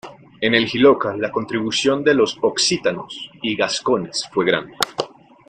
En el Jiloca, la contribución de los occitanos y gascones fue grande.